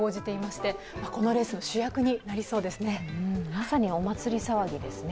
まさにお祭り騒ぎですね。